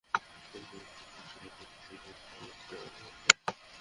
যেমন ইলেকট্রনের জন্য তন্তুর কম্পনের মাত্রা এক রকম।